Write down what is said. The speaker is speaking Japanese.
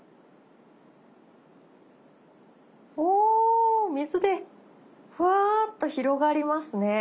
お水でふわっと広がりますね。